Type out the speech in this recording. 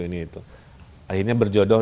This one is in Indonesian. ini itu akhirnya berjodoh